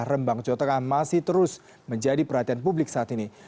rembang jawa tengah masih terus menjadi perhatian publik saat ini